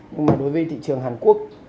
nhưng mà đối với thị trường hàn quốc